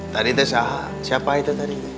tadi itu siapa itu tadi